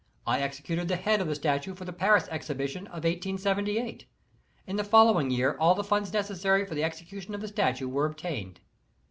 I executed the head of the statue for the Paris Exposition of 1878. In the following year all the funds necessary for the execution of the statue were obtained.